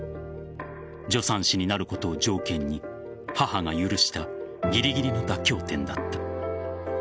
助産師になることを条件に母が許したぎりぎりの妥協点だった。